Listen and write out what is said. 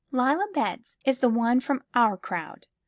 Leila Betts is the only one from our crowd.